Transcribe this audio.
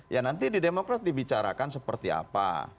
ya nanti di demokrat dibicarakan seperti apa